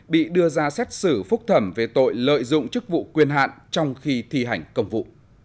bị đưa ra xét xử phúc thẩm về tội lợi dụng chức vụ quyền hạn trong khi thi hành công vụ